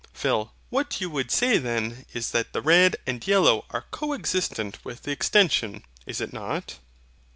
PHIL. What you would say then is that the red and yellow are coexistent with the extension; is it not?